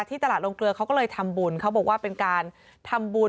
ตลาดลงเกลือเขาก็เลยทำบุญเขาบอกว่าเป็นการทำบุญ